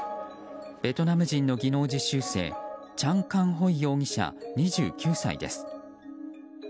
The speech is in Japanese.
ベトナム人の技能実習生チャン・カン・ホイ容疑者２９歳です。